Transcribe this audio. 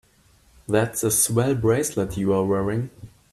That's a swell bracelet you're wearing.